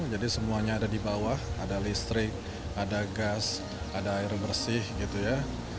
jadi semuanya ada di bawah ada listrik ada gas ada air bersih gitu ya